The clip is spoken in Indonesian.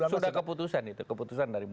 sudah keputusan itu keputusan dari bawas